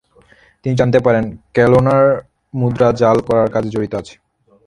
তিনি জানতে পারেন, ক্যালোনার মুদ্রা জাল করার কাজে জড়িত আছে।